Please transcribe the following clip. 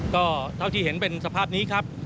ก็เท่าที่เห็นเป็นสภาพนี้ครับ